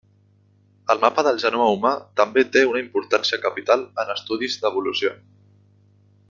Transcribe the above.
El mapa del genoma humà també té una importància capital en estudis d'evolució.